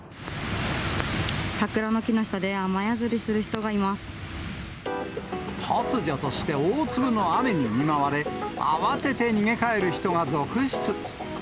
桜の木の下で雨宿りする人が突如として大粒の雨に見舞われ、慌てて逃げかえる人が続出。